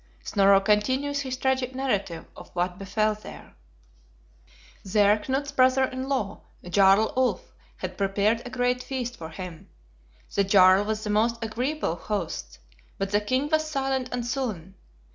Snorro continues his tragic narrative of what befell there: "There Knut's brother in law, Jarl Ulf, had prepared a great feast for him. The Jarl was the most agreeable of hosts; but the King was silent and sullen.